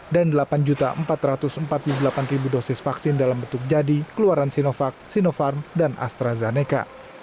dan delapan empat ratus empat puluh delapan dosis vaksin dalam bentuk jadi keluaran sinovac sinopharm dan astrazeneca